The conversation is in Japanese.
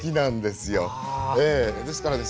ですからね